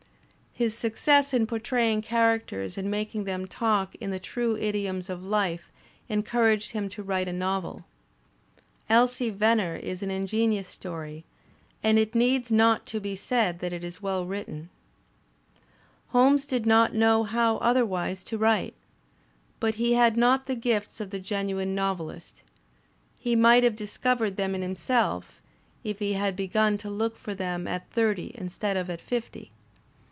His success in portraying characters and making them talk in the true idioms of life encoiu*aged him to write a novel. Digitized by Google HOLMES 165 "Elsie Venner" is an iagenious story, and it needs not to be said that it is well written; Holmes did not know how other wise to write. But he had not the gifts of the genuine nov elist. He might have discovered them in himself if he had begun to look for them at thirty instead of at fifty.